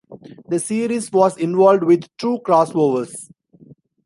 The series was involved with two crossovers.